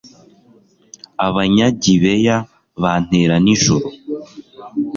abanyagibeya bantera nijoro